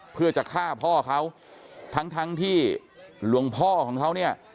เพื่อจะฆ่าพ่อเขาทั้งทั้งที่หลวงพ่อของเขาเนี่ย